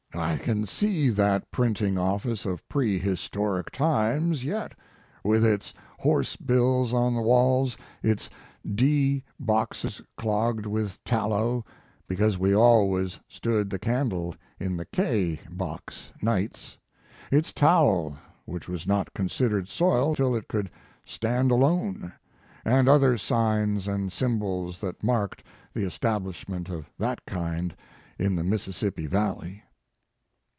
"I can see that printing office of pre historic times yet, with its horse bills on the walls, its *d boxes clogged with tallow, because we always stood the candle in the *k* box nights, its towel, which was not considered soiled until it could stand alone, and other signs and symbols that marked the establishment of that kind in Mississippi valley."